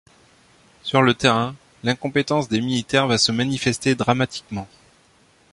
Sur le terrain, l'incompétence des militaires va se manifester dramatiquement.